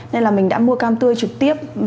nên là mình đã mua cam tươi trực tiếp